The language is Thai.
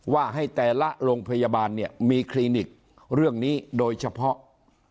ว่าให้แต่ละโรงพยาบาลเนี่ยมีคลินิกเรื่องนี้โดยเฉพาะ